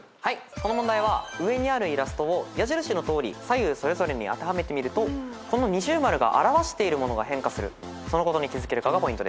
この問題は上にあるイラストを矢印のとおり左右それぞれに当てはめてみるとこの◎が表しているものが変化するそのことに気付けるかがポイントです。